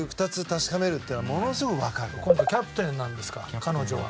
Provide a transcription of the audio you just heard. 今回キャプテンなんですか彼女は。